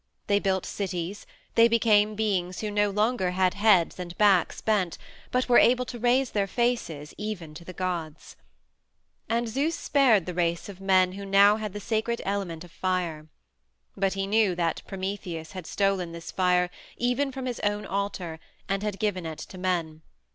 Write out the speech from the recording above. They built cities; they became beings who no longer had heads and backs bent but were able to raise their faces even to the gods. And Zeus spared the race of men who had now the sacred element of fire. But he knew that Prometheus had stolen this fire even from his own altar and had given it to men.